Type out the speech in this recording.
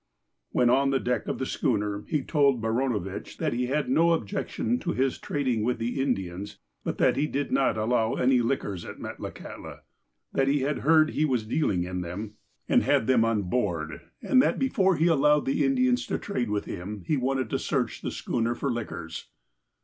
When on the deck of the schooner, he told Baranovitch that he had no objection to his trading with the Indians, but that he did not allow any liquors at Metlakahtla ; that he had heard he was dealing in them, and had them on 197 198 THE APOSTLE OF ALASKA board, and that before lie allowed the Indians to trade with him, he wanted to search the schooner for liquors.